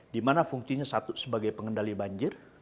di mana fungsinya satu sebagai pengendali banjir